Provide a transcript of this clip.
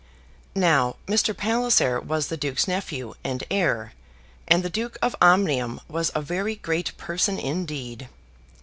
Now, Mr. Palliser was the Duke's nephew and heir, and the Duke of Omnium was a very great person indeed.